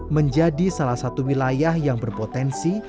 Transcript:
menjadi salah satu wilayah yang berpotensi